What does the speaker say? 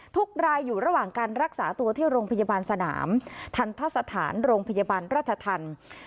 ทุกรายอยู่ระหว่างการรักษาตัวที่โรงพยาบาลสนามทันทสถานโรงพยาบาลราชธรรม